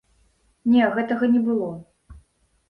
Не, гэтага не было.